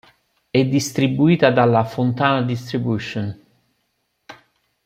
È distribuita dalla Fontana Distribution.